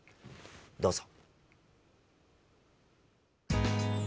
どうぞ。